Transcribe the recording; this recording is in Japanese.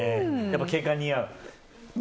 やっぱ警官似合う？